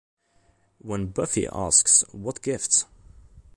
When Buffy asks What gift?